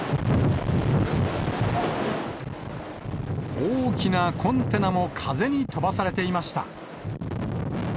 大きなコンテナも風に飛ばされていました。